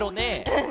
うん。